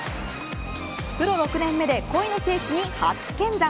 プロ６年目で鯉の聖地に初見参。